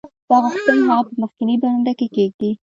تا غوښتل هغه په مخکینۍ برنډه کې کیږدې